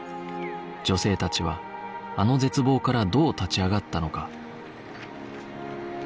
女性たちはあの絶望からどう立ち上がったのか？